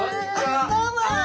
どうも！